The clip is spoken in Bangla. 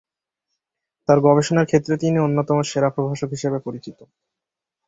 তার গবেষণার ক্ষেত্রে তিনি অন্যতম সেরা প্রভাষক হিসাবে পরিচিত।